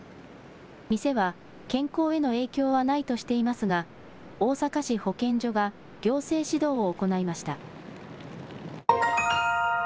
店は健康への影響はないとしていますが、大阪市保健所が行政指導を行いました。